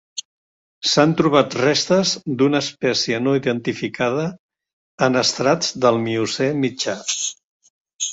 S'han trobat restes d'una espècie no identificada en estrats del Miocè mitjà.